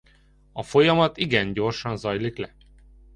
A folyamat igen gyorsan zajlik le.